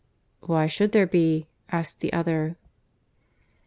"Why should there be?" asked the other.